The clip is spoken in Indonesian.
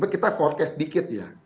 kita forecast sedikit ya